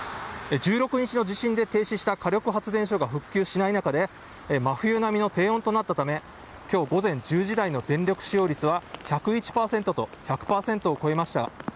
１６日の地震で停止した火力発電所が復旧しない中で、真冬並みの低温となったため、きょう午前１０時台の電力使用率は１０１％と、１００％を超えました。